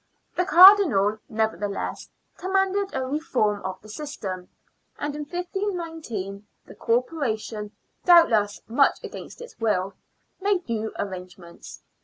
The Cardinal, never theless, commanded a reform of the system ; and in 1519 the Corporation, doubtless much against its will, made new arrangements.